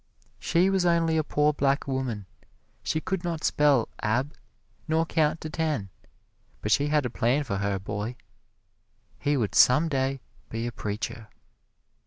She was only a poor black woman; she could not spell ab, nor count to ten, but she had a plan for her boy he would some day be a preacher.